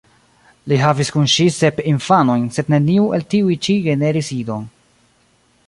Li havis kun ŝi sep infanojn, sed neniu el tiuj ĉi generis idon.